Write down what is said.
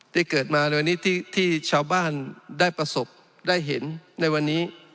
เกิดมาในวันนี้ที่ชาวบ้านได้ประสบได้เห็นในวันนี้